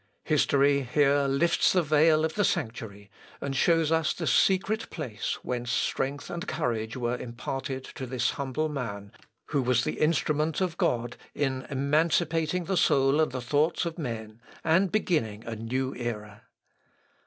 History here lifts the veil of the sanctuary, and shows us the secret place whence strength and courage were imparted to this humble man, who was the instrument of God in emancipating the soul and the thoughts of men, and beginning a new era.